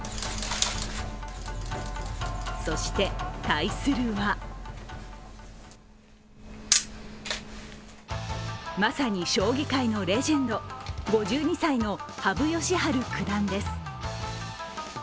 そして、対するはまさに将棋界のレジェンド５２歳の羽生善治九段です。